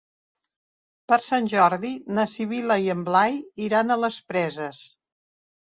Per Sant Jordi na Sibil·la i en Blai iran a les Preses.